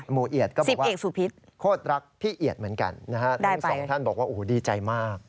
เอียดก็บอกว่าโคตรรักพี่เอียดเหมือนกันนะฮะทั้งสองท่านบอกว่าโอ้โหดีใจมาก